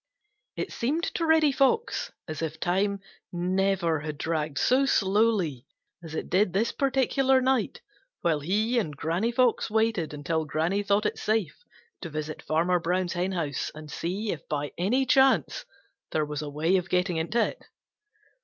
It seemed to Reddy Fox as if time never had dragged so slowly as it did this particular night while he and Granny Fox waited until Granny thought it safe to visit Farmer Brown's henhouse and see if by any chance there was a way of getting into it.